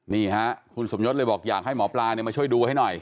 นี่ฮะคุณสมยศเลยบอกอยากให้หมอปลามาช่วยดูให้หน่อย